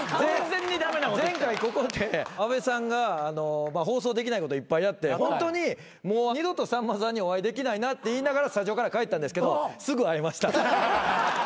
前回ここで安部さんが放送できないこといっぱいやってホントにもう二度とさんまさんにお会いできないなって言いながらスタジオから帰ったんですけどすぐ会えました。